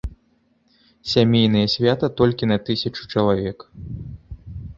Сямейнае свята, толькі на тысячу чалавек.